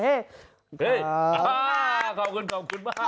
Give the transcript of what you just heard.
ขอบคุณขอบคุณมาก